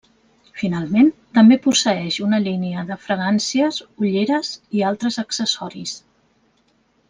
Finalment, també posseeix una línia de fragàncies, ulleres i altres accessoris.